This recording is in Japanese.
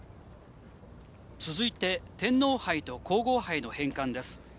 続いて天皇杯と皇后杯の返還です。